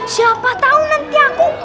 siapa tau nanti aku